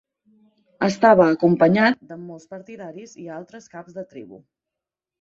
Estava acompanyat de molts partidaris i altres caps de tribu.